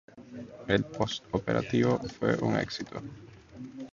Post-operative pain is generally minimal and reduced by icy or cold foods.